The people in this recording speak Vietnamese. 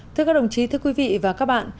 thưa các đồng chí thưa quý vị và các bạn